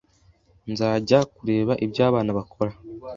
Nzajya kureba ibyo abana bakora